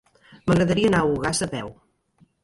M'agradaria anar a Ogassa a peu.